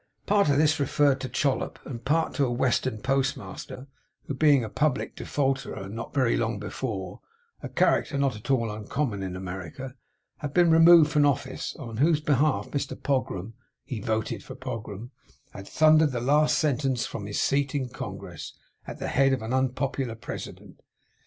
Part of this referred to Chollop, and part to a Western postmaster, who, being a public defaulter not very long before (a character not at all uncommon in America), had been removed from office; and on whose behalf Mr Pogram (he voted for Pogram) had thundered the last sentence from his seat in Congress, at the head of an unpopular President.